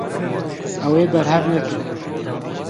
Ew ê berhev nekin.